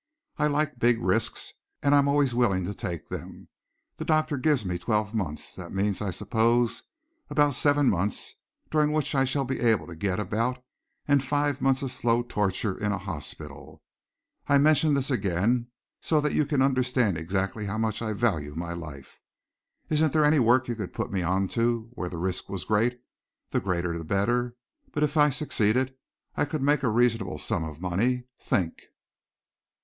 I like big risks, and I am always willing to take them. The doctor gives me twelve months that means, I suppose, about seven months during which I shall be able to get about, and five months of slow torture in a hospital. I mention this again so that you can understand exactly how much I value my life. Isn't there any work you could put me on to where the risk was great the greater the better but if I succeeded I could make a reasonable sum of money? Think!"